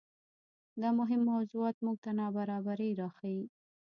دا مهم موضوعات موږ ته نابرابرۍ راښيي.